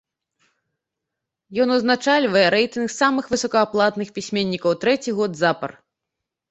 Ён узначальвае рэйтынг самых высокааплатных пісьменнікаў трэці год запар.